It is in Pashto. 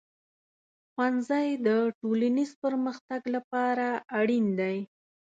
ښوونځی د ټولنیز پرمختګ لپاره اړین دی.